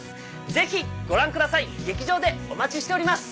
ぜひご覧ください劇場でお待ちしております。